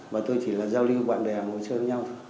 và tôi chỉ là giao lưu bạn bè ngồi chơi với nhau